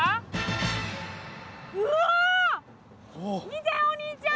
見てお兄ちゃん！